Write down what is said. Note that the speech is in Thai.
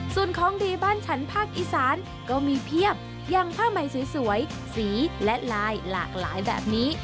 ส่วนของดีบ้านฉันภาคอีสานก็มีเพียบอย่างผ้าใหม่สวยสีและลายหลากหลายแบบนี้